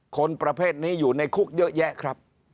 คนประเภทนี้อยู่ในคุกเยอะแยะครับ